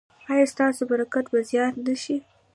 ایا ستاسو برکت به زیات نه شي؟